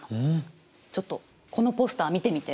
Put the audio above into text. ちょっとこのポスター見てみて。